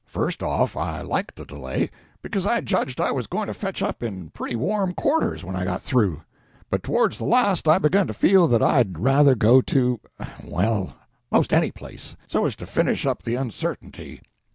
First off, I liked the delay, because I judged I was going to fetch up in pretty warm quarters when I got through; but towards the last I begun to feel that I'd rather go to—well, most any place, so as to finish up the uncertainty.